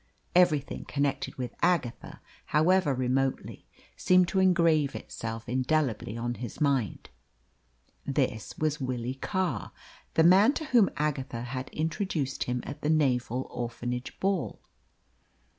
Everything connected with Agatha, however remotely, seemed to engrave itself indelibly on his mind. This was Willie Carr, the man to whom Agatha had introduced him at the naval orphanage ball.